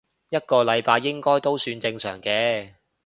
一個禮拜應該都算正常嘅